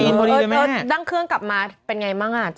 นั่งเครื่องกลับมาเป็นไงฟัง